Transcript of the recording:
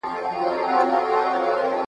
درې ملګري له کلو انډیوالان وه ,